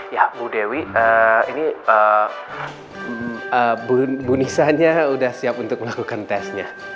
ya bu dewi ini bu nisanya sudah siap untuk melakukan tesnya